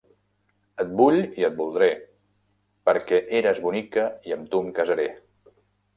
Et vull i et voldré, perquè eres bonica i amb tu em casaré.